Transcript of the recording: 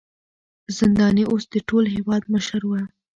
زنداني اوس د ټول هېواد مشر و.